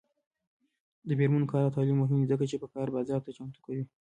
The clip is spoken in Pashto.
د میرمنو کار او تعلیم مهم دی ځکه چې کار بازار ته چمتو کوي.